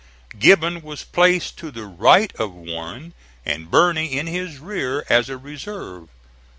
Gibbon was placed to the right of Warren, and Birney in his rear as a reserve.